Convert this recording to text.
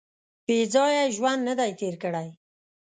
• بېځایه یې ژوند نهدی تېر کړی.